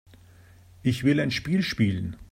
Ich will ein Spiel spielen.